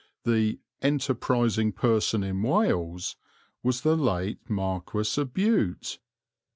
The "enterprising person in Wales" was the late Marquess of Bute.